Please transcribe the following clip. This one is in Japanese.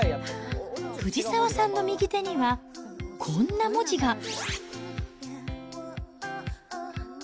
藤澤さんの右手には、こんな文字が。